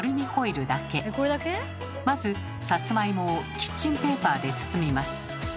まずサツマイモをキッチンペーパーで包みます。